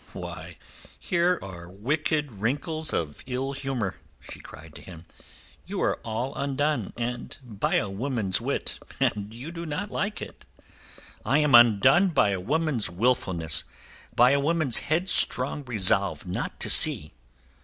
"Why, here are wicked wrinkles of ill humour," she cried to him. "You are all undone, and by a woman's wit, and you do not like it." "I am undone by a woman's wilfulness, by a woman's headstrong resolve not to see."